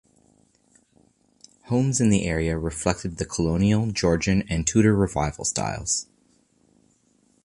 Homes in the area reflected the Colonial, Georgian and Tudor Revival styles.